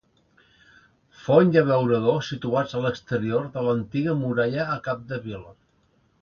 Font i abeurador situats a l'exterior de l'antiga muralla a Capdevila.